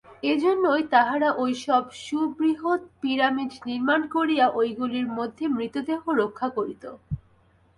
এইজন্যই তাহারা ঐ-সব সুবৃহৎ পিরামিড নির্মাণ করিয়া ঐগুলির মধ্যে মৃতদেহ রক্ষা করিত।